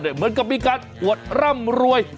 เหมือนกับมีการอวดร่ำรวย